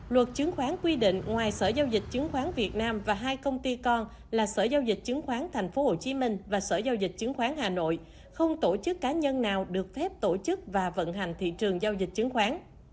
luật chứng khoán quy định ngoài sở giao dịch chứng khoán việt nam và hai công ty con là sở giao dịch chứng khoán tp hcm và sở giao dịch chứng khoán hà nội không tổ chức cá nhân nào được phép tổ chức và vận hành thị trường giao dịch chứng khoán